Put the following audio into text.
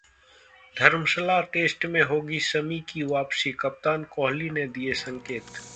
धर्मशाला test में होगी शमी की वापसी, कप्तान कोहली ने दिए संकेत